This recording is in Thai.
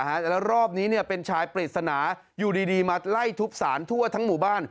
แล้วรอบนี้เป็นชายปริศนาอยู่ดีมาไล่ทุบสารทั่วทั้งหมู่บ้าน